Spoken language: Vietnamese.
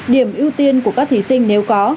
điểm ưu tiên của các thí sinh nếu có